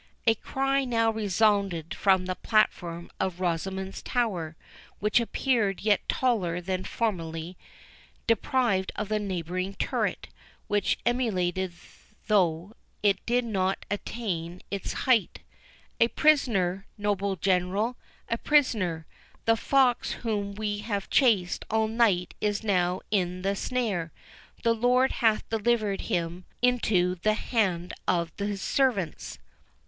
A cry now resounded from the platform of Rosamond's Tower, which appeared yet taller than formerly, deprived of the neighbouring turret, which emulated though it did not attain to its height,—"A prisoner, noble General—a prisoner—the fox whom we have chased all night is now in the snare—the Lord hath delivered him into the hand of his servants."